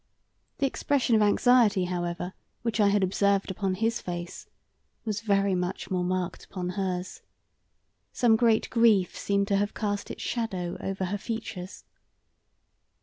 The expression of anxiety, however, which I had observed upon his face was very much more marked upon hers. Some great grief seemed to have cast its shadow over her features.